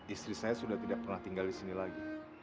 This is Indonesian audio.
istri saya sudah tidak pernah tinggal disini lagi